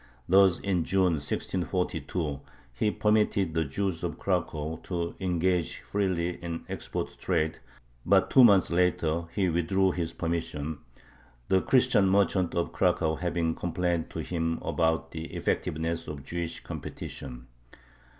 Thus in June, 1642, he permitted the Jews of Cracow to engage freely in export trade, but two months later he withdrew his permission, the Christian merchants of Cracow having complained to him about the effectiveness of Jewish competition.